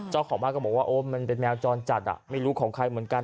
เจ้าของบ้านก็บอกว่าโอ้มันเป็นแมวจรจัดไม่รู้ของใครเหมือนกัน